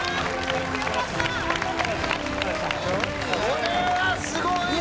これはすごいね。